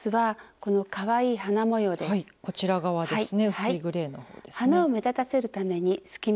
こちらですね。